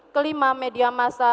kelima media masa